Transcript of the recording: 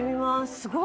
すごい。